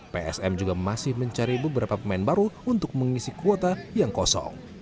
psm juga masih mencari beberapa pemain baru untuk mengisi kuota yang kosong